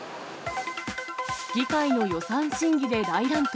議会の予算審議で大乱闘。